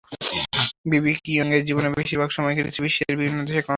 বিবি কিংয়ের জীবনের বেশির ভাগ সময়ই কেটেছে বিশ্বের বিভিন্ন দেশে কনসার্ট করে।